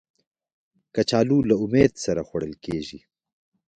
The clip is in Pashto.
کچالو له امید سره خوړل کېږي